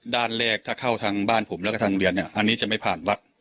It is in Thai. ด้านแรกถ้าเข้าทางบ้านผมแล้วก็ทางเรียนเนี่ยอันนี้จะไม่ผ่านวัด